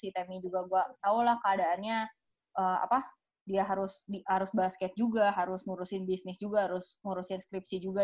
di temni juga gue tau lah keadaannya dia harus basket juga harus ngurusin bisnis juga harus ngurusin skripsi juga